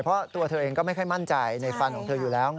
เพราะตัวเธอเองก็ไม่ค่อยมั่นใจในฟันของเธออยู่แล้วไง